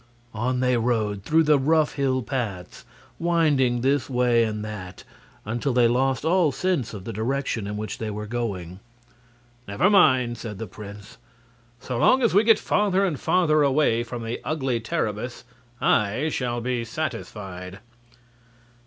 On they rode through the rough hill paths, winding this way and that, until they lost all sense of the direction in which they were going. "Never mind," said the prince; "so long as we get farther and farther away from the ugly Terribus I shall be satisfied."